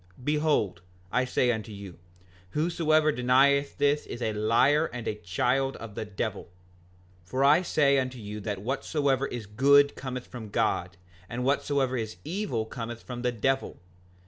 Behold, I say unto you, whosoever denieth this is a liar and a child of the devil. 5:40 For I say unto you that whatsoever is good cometh from God, and whatsoever is evil cometh from the devil.